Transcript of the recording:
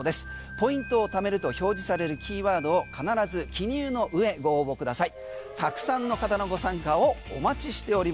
ポイントを貯めると表示されるキーワードを必ず記入の上ご応募ください。